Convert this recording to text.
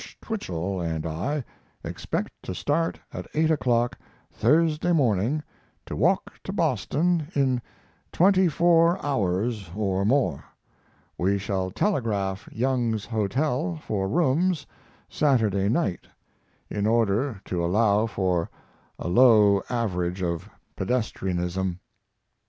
Twichell and I expect to start at 8 o'clock Thursday morning to walk to Boston in twenty four hours or more. We shall telegraph Young's Hotel for rooms Saturday night, in order to allow for a low average of pedestrianism.